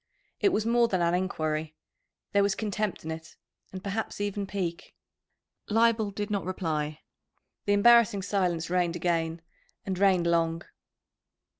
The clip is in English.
It was more than an enquiry. There was contempt in it, and perhaps even pique. Leibel did not reply. The embarrassing silence reigned again, and reigned long.